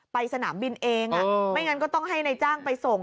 สนามบินเองไม่งั้นก็ต้องให้นายจ้างไปส่ง